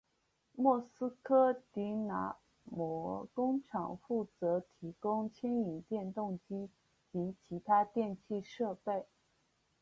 莫斯科迪纳摩工厂负责提供牵引电动机及其他电气设备。